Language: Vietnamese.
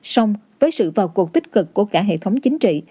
xong với sự vào cuộc tích cực của cả hệ thống chính trị